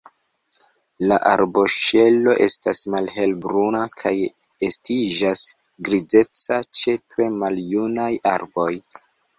La arboŝelo estas malhelbruna kaj estiĝas grizeca ĉe tre maljunaj arboj.